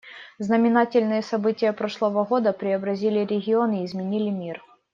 Знаменательные события прошлого года преобразили регион и изменили мир.